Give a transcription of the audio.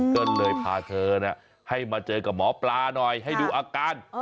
ก็เลยพาเธอให้มาเจอกับหมอปลาหน่อยให้ดูอาการ